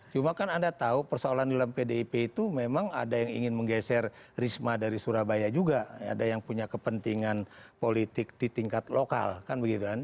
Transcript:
cuma kan anda tahu persoalan dalam pdip itu memang ada yang ingin menggeser risma dari surabaya juga ada yang punya kepentingan politik di tingkat lokal kan begitu kan